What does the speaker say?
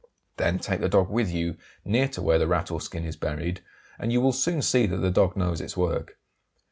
Then take the dog with you near to where the rat or skin is buried, and you will soon see that the dog knows its work.